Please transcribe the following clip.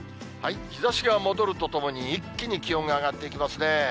日ざしが戻るとともに、一気に気温が上がっていきますね。